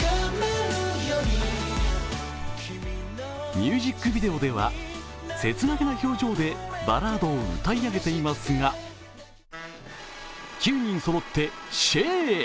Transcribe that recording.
ミュージックビデオでは切なげな表情でバラードを歌い上げていますが９人そろってシェー！。